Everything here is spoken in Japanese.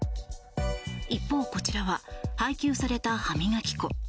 一方、こちらは配給された歯磨き粉。